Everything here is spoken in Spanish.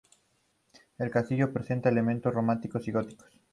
El castillo presenta elementos románicos y góticos.